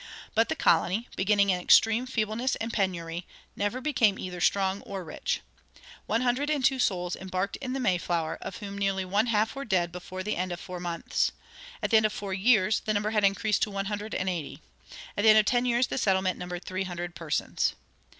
But the colony, beginning in extreme feebleness and penury, never became either strong or rich. One hundred and two souls embarked in the "Mayflower," of whom nearly one half were dead before the end of four months. At the end of four years the number had increased to one hundred and eighty. At the end of ten years the settlement numbered three hundred persons.